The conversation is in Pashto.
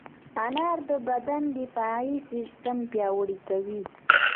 انار د بدن دفاعي سیستم پیاوړی کوي.